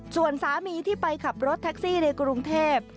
ส่วนสามีที่ไปขับรถแท็กซี่ในกรุงเทพ